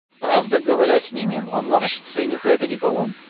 Правда, говоря с ними, он морщится и нюхает одеколон.